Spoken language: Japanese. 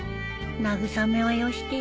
慰めはよしてよ